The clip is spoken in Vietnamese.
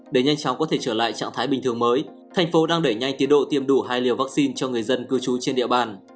để nhanh chóng có thể trở lại trạng thái bình thường mới thành phố đang đẩy nhanh tiến độ tiêm đủ hai liều vaccine cho người dân cư trú trên địa bàn